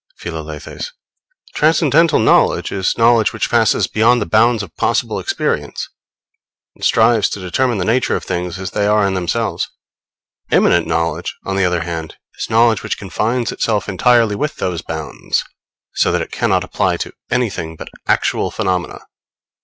Philalethes. Transcendental knowledge is knowledge which passes beyond the bounds of possible experience, and strives to determine the nature of things as they are in themselves. Immanent knowledge, on the other hand, is knowledge which confines itself entirely with those bounds; so that it cannot apply to anything but actual phenomena.